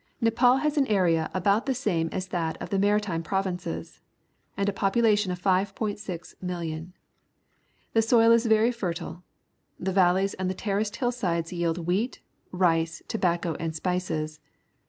— A'epal has an area about the same as that of the Maritime Provinces, and a population of 5,600,000. The soil is very fertile. The valleys and the terraced hillsides yield wheat, r jcp, tohRiCco,— and spices